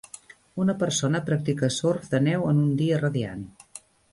Una persona practica surf de neu en un dia radiant.